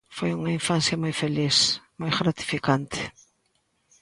Foi unha infancia moi feliz, moi gratificante.